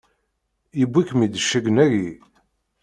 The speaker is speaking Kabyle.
Yewwi-kem-id cennegnagi!